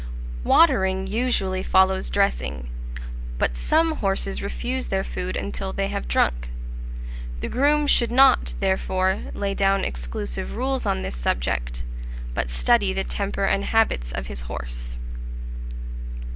Watering usually follows dressing; but some horses refuse their food until they have drunk: the groom should not, therefore, lay down exclusive rules on this subject, but study the temper and habits of his horse.